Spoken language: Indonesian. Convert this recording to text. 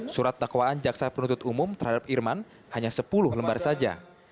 surat dakwaan jaksa penuntut umum terhadap irman hanya sepuluh lembar saja